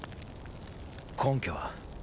根拠は？